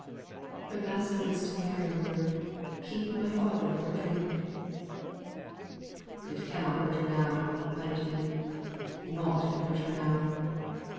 "Her last words to Mary were, 'Keep my father fro' drink.'" "It canna hurt her now," muttered he. "Nought can hurt her now."